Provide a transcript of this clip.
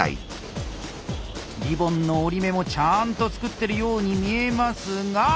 リボンの折り目もちゃんと作ってるように見えますがっと何だ？